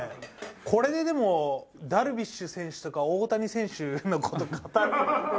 これででもダルビッシュ選手とか大谷選手の事語る？